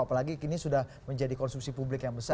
apalagi kini sudah menjadi konsumsi publik yang besar